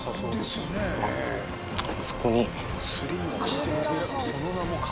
そこに。